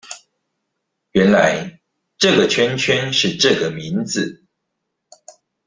原來這個圈圈是這個名字